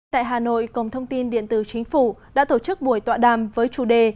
tại hà nội cổng thông tin điện tử chính phủ đã tổ chức buổi tọa đàm với chủ đề